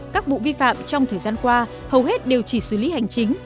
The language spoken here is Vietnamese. các vụ vi phạm trong thời gian qua hầu hết đều chỉ xử lý hành chính